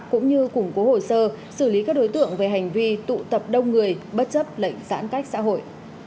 cũng như củng cố hồ sơ xử lý các đối tượng về hành vi tụ tập đông người bất chấp lệnh giãn cách xã hội